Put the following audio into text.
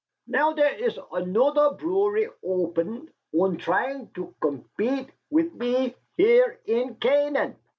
Now, dere iss anoder brewery opened und trying to gombete mit me here in Canaan.